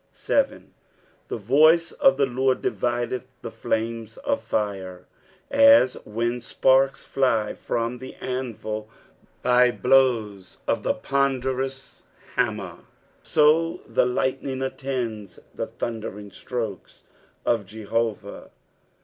7. " TAe tout of the Lord divideth the fiamtt of fire" As when eparka fly from the anvil bj blows of a ponderous hammer, so the lightning attends the thundering strokes of Jehovah.